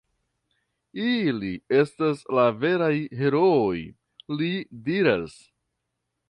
Ili estas la veraj herooj, li diras.